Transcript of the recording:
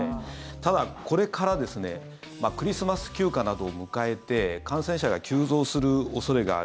ただ、これからクリスマス休暇などを迎えて感染者が急増する恐れがある。